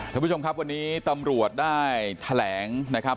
ท่านผู้ชมครับวันนี้ตำรวจได้แถลงนะครับ